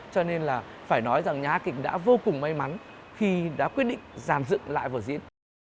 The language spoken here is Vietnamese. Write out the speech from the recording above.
cho nên là phải nói rằng nhà hát kịch đã vô cùng may mắn khi đã quyết định giàn dựng lại vở diễn